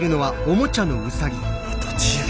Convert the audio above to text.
あと１０秒。